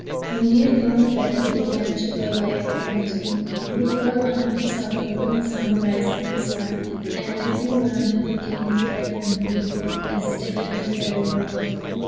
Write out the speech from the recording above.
When he had gone a bit it began to grow light around him, and before long he saw a golden sun rising in the sky and everything around him became as bright and beautiful as if in a fairy world.